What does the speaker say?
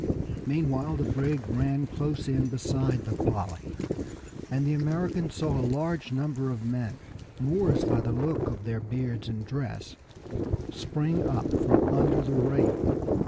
Meanwhile the brig ran close in beside the Polly, and the Americans saw a large number of men, Moors by the look of their beards and dress, spring up from under the rail.